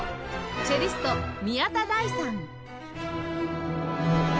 チェリスト宮田大さん